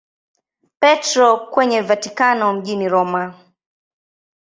Petro kwenye Vatikano mjini Roma.